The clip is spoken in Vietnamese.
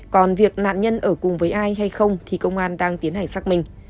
còn việc nạn nhân ở cùng với ai hay không thì công an đang tiến hành xác minh